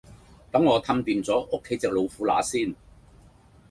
等我氹掂左屋企隻老虎乸先